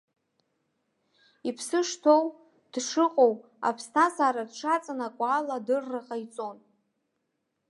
Иԥсы шҭоу, дшыҟоу, аԥсҭазаара дшаҵанакуа ала адырра ҟаиҵон.